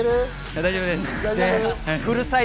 大丈夫です。